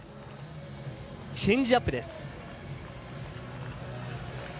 チェンジアップです。